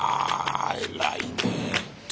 偉いねえ。